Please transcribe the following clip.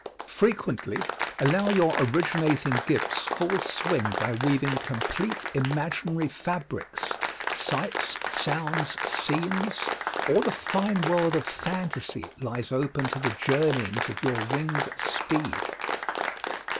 Frequently, allow your originating gifts full swing by weaving complete imaginary fabrics sights, sounds, scenes; all the fine world of fantasy lies open to the journeyings of your winged steed.